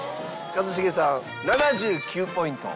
一茂さん７９ポイント。